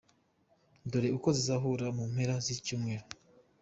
Dore uko zizahura mu mpera z’iki cyumweru :